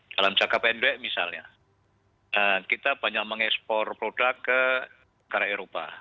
dalam jangka pendek misalnya kita banyak mengekspor produk ke negara eropa